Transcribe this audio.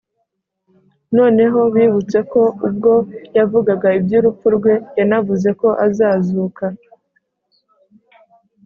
noneho bibutse ko ubwo yavugaga iby’urupfu rwe yanavuze ko azazuka